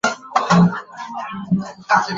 梅克赛姆。